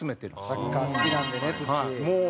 サッカー好きなんでねつっちー。